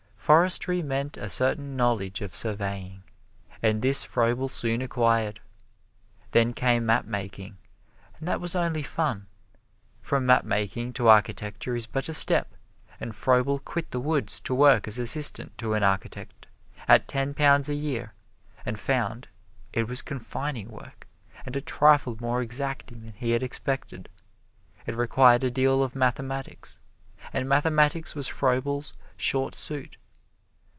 Forestry meant a certain knowledge of surveying, and this Froebel soon acquired. Then came map making, and that was only fun. From map making to architecture is but a step, and Froebel quit the woods to work as assistant to an architect at ten pounds a year and found, it was confining work, and a trifle more exacting than he had expected it required a deal of mathematics, and mathematics was Froebel's short suit.